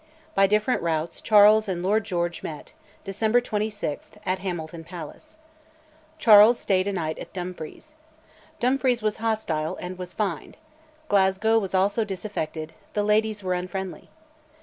By different routes Charles and Lord George met (December 26) at Hamilton Palace. Charles stayed a night at Dumfries. Dumfries was hostile, and was fined; Glasgow was also disaffected, the ladies were unfriendly.